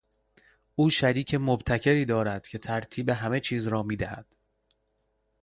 او شریک مبتکری دارد که ترتیب همه چیز را میدهد.